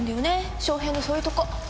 翔平のそういうとこ。